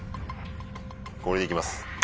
これで行きます。